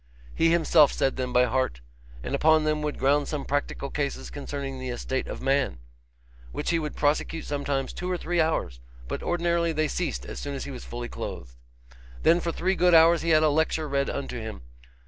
He himself said them by heart, and upon them would ground some practical cases concerning the estate of man, which he would prosecute sometimes two or three hours, but ordinarily they ceased as soon as he was fully clothed. Then for three good hours he had a lecture read unto him.